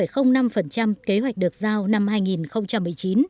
kế hoạch được giao năm hai nghìn một mươi chín